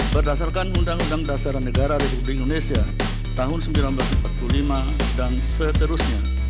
berdasarkan undang undang dasar negara republik indonesia tahun seribu sembilan ratus empat puluh lima dan seterusnya